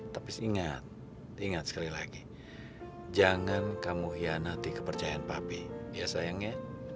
tapi ingat ingat sekali lagi jangan kamu hianati kepercayaan papi ya sayang ya